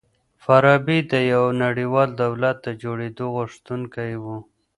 فارابي د يوه نړيوال دولت د جوړېدو غوښتونکی و.